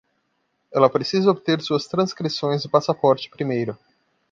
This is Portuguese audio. Ela precisa obter suas transcrições e passaporte primeiro.